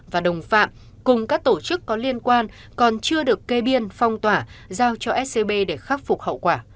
và đồng phạm cùng các tổ chức có liên quan còn chưa được kê biên phong tỏa giao cho scb để khắc phục hậu quả